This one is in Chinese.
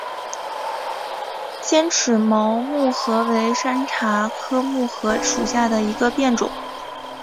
尖齿毛木荷为山茶科木荷属下的一个变种。